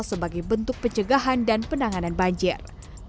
sebagai bentuk pencegahan dan penanganan banjir